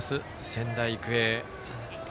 仙台育英。